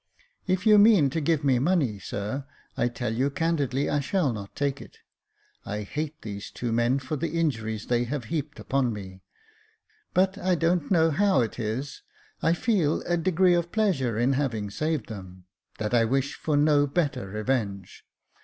" If you mean to give me money, sir, I tell you candidly I shall not take it. I hate these two men for the injuries they have heaped on me ; but I don't know how it is, I feel a degree of pleasure in having saved them, that I wish for no better revenge.